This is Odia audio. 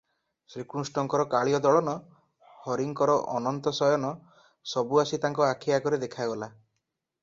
ଶ୍ରୀକୃଷ୍ଣଙ୍କର କାଳୀୟଦଳନ, ହରିଙ୍କର ଅନନ୍ତ ଶୟନ, ସବୁ ଆସି ତାଙ୍କ ଆଖି ଆଗରେ ଦେଖାଗଲା ।